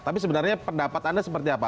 tapi sebenarnya pendapat anda seperti apa